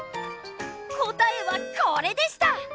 答えはこれでした！